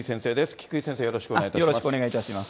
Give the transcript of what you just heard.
菊井先生、よろしくお願いいたします。